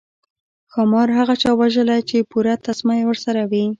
ښامار هغه چا وژلی چې پوره تسمه یې ورسره وي.